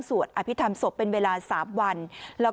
ตอนนี้ก็เพิ่งที่จะสูญเสียคุณย่าไปไม่นาน